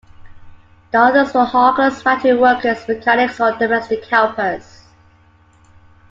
The others were hawkers, factory workers, mechanics or domestic helpers.